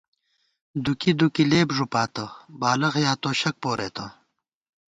دُکی دُکی لېپ ݫُپاتہ ، بالخ یا توشَک پورېتہ